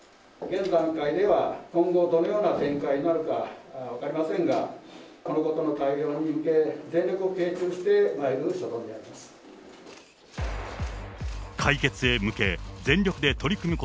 現段階では今後、どのような展開になるか分かりませんが、このことの対応に向け、全力を傾注してまいる所存であります。